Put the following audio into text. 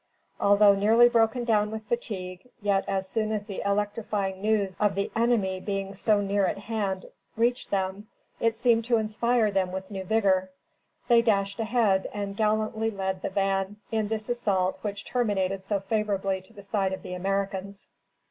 Although nearly broken down with fatigue, yet as soon as the electrifying news of the enemy being so near at hand reached them, it seemed to inspire them with new vigor. They dashed ahead, and gallantly led the van in this assault which terminated so favorably to the side of the Americans. [Footnote 11: D Company, 2d Regiment U. S. Artillery.